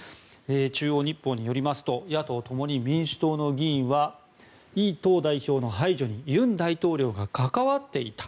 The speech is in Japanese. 中央日報によりますと野党・共に民主党の議員はイ党代表の排除に尹大統領が関わっていた。